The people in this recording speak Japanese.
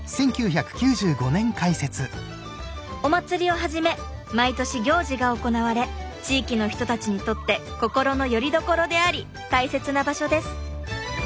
お祭りをはじめ毎年行事が行われ地域の人たちにとって心のよりどころであり大切な場所です。